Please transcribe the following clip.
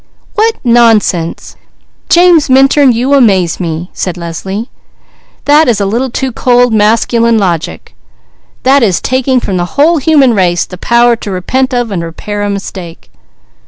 "What nonsense! James Minturn, you amaze me!" said Leslie. "That is a little too cold masculine logic. That is taking from the whole human race the power to repent of and repair a mistake."